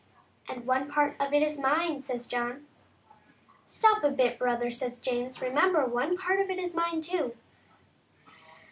"And one part of it is mine," says John. " Stop a bit, brother," says James ;" remember, one part of it is mine too."